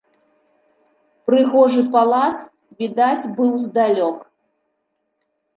Прыгожы палац відаць быў здалёк.